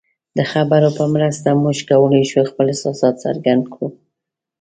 د خبرو په مرسته موږ کولی شو خپل احساسات څرګند کړو.